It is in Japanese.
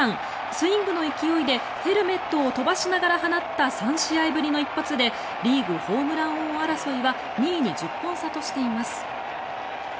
スイングの勢いでヘルメットを飛ばしながら放った３試合ぶりの一発でリーグホームラン王争いは２位に１０本差としています。